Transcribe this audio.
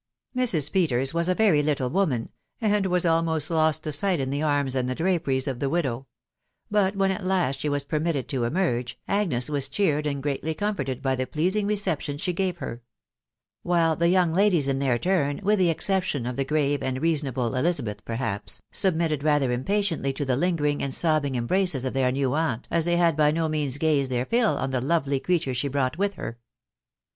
Mrs. Peters was a very little woman, and was almost lost to sight in the arms and the draperies of the widow ; but when at last she was Permitted to emerge, Agnes was cheered and greatly comforted by the pleasing reception she gave her; while the young ladies in their turn (with the exception of the grave and rea sonable Elizabeth, perhaps,) submitted rather impatiently to the lingering and sobbing embraces of their new aunt, as they had by no means gazed their fill on the lovely creature she brought with her.